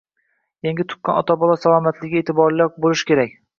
Yangi tuqqan ona-bola salomatligiga e’tiborliroq bo‘lish kerak.